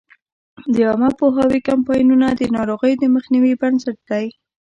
د عامه پوهاوي کمپاینونه د ناروغیو د مخنیوي بنسټ دی.